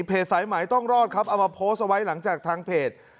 สายหมายต้องรอดครับเอามาโพสต์เอาไว้หลังจากทางเพจ